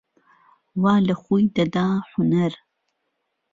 وا لە خوی دەدا حونەر